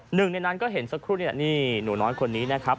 หนึ่งในนั้นก็เห็นสักครู่นี่แหละนี่หนูน้อยคนนี้นะครับ